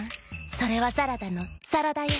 それはサラダのさらだよ」。